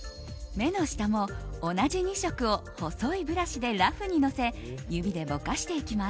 目の下も同じ２色を細いブラシでラフにのせ指でぼかしていきます。